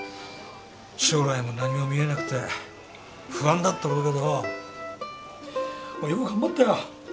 将来も何も見えなくて不安だったろうけどよく頑張ったよ。